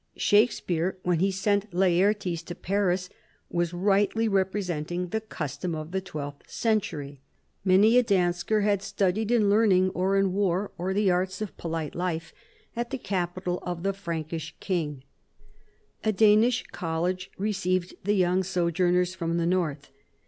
Shakespeare, when he sent Laertes to Paris, was rightly representing the custom of the twelfth century. Many a Dansker had studied in learning or in war or the arts of polite life at the capital of the Frankish king : a Danish college received the young sojourners from the north.